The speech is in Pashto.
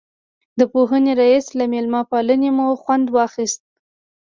د پوهنې رئیس له مېلمه پالنې مو خوند واخیست.